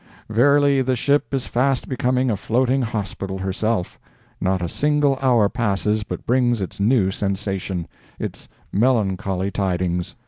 Verily the ship is fast becoming a floating hospital herself—not a single hour passes but brings its new sensation—its melancholy tidings.